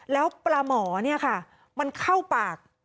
แล้วปลาหมอเนี่ยค่ะมันเข้าปาก